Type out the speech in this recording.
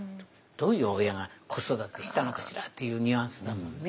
「どういう親が子育てしたのかしら」というニュアンスだもんね。